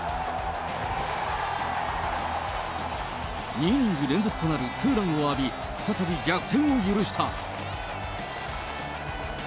２イニング連続となるツーランを浴び、再び逆転を許した。